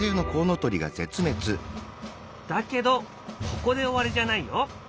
だけどここで終わりじゃないよ。